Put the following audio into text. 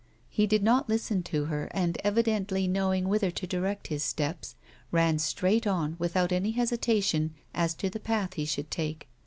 He did not listen to her, and evidently knowing whither to direct his steps, ran straight on without any hesitation as to the path he should take.